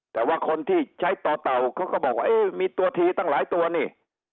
แต่ว่าคนที่ใช้ต่อเต่าเขาก็บอกว่าเอ๊ะมีตัวทีตั้งหลายตัวนี่